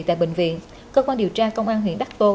tại bệnh viện cơ quan điều tra công an huyện đắc tô